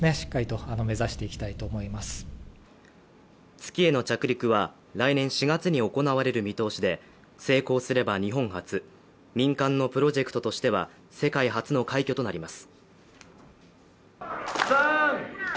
月への着陸は来年４月に行われる見通しで成功すれば日本初、民間のプロジェクトとしては世界初の快挙となります。